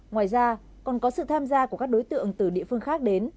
ngoài ra còn có sự tham gia của các đối tượng từ địa phương khác đến